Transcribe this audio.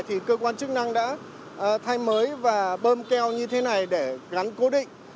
thì cơ quan chức năng đã thay mới và bơm keo như thế này để gắn cố định